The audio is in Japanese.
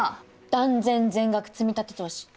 断然全額積み立て投資！